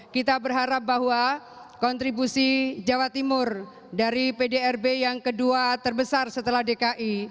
kita berharap bahwa kontribusi jawa timur dari pdrb yang kedua terbesar setelah dki